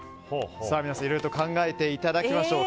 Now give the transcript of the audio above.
皆さん、いろいろと考えていただきましょう。